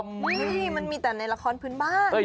นี่มันมีแต่ในละครพื้นบ้าน